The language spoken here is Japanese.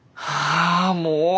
あもう！